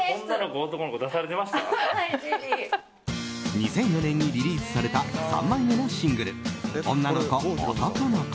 ２００４年にリリースされた３枚目のシングル「オンナのコオトコのコ」。